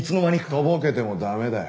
とぼけても駄目だよ。